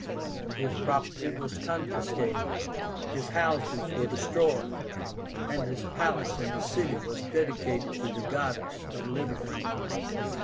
His property was confiscated, his houses were destroyed, and his palace in the city was dedicated to the Goddess of Liberty.